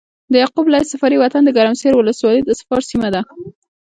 د يعقوب ليث صفاري وطن د ګرمسېر ولسوالي د صفار سيمه ده۔